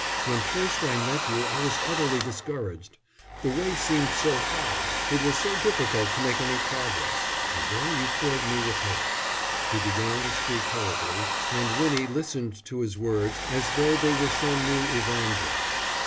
When first I met you I was utterly discouraged. The way seemed so hard. It was so difficult to make any progress. And then you filled me with hope." He began to speak hurriedly, and Winnie listened to his words as though they were some new evangel.